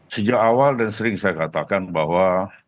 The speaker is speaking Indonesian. sejak awal dan sering saya katakan bahwa